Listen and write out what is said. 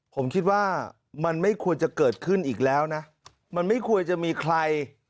ผมคิดว่ามันไม่ควรจะเกิดขึ้นอีกแล้วนะมันไม่ควรจะมีใคร